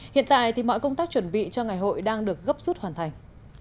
hiện tại thì mọi công tác chuẩn bị cho ngày hội đang được gấp rút hoàn thành